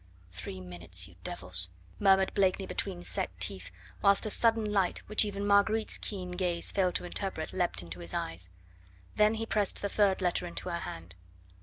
"Three minutes, you devils," murmured Blakeney between set teeth, whilst a sudden light which even Marguerite's keen gaze failed to interpret leapt into his eyes. Then he pressed the third letter into her hand.